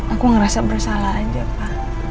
aku ngerasa bersalah aja pak